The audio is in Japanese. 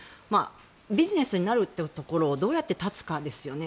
ビジネスになるっていうところをどうやって断つかですよね。